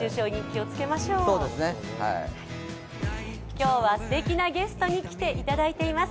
今日はすてきなゲストに来ていただいています。